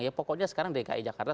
ya pokoknya sekarang dki jakarta